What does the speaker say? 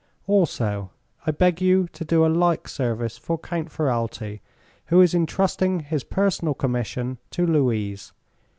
"Also I beg you to do a like service for Count Ferralti, who is entrusting his personal commission, to Louise.